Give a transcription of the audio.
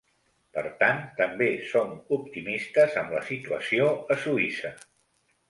Per tant, també som optimistes amb la situació a Suïssa.